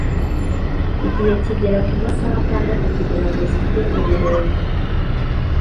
igihe kigera ku masaha atandatu kugira ngo zite ururenda.